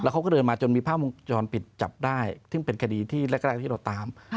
เขาก็เดินมาจนมีภาพวงจรปิดจับได้ซึ่งเป็นคดีที่แรกที่เราตาม